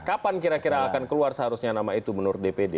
kapan kira kira akan keluar seharusnya nama itu menurut dpd